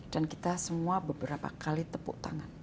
dan kita semua beberapa kali tepuk tangan